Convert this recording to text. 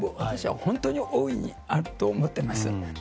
私は本当に大いにあると思っています。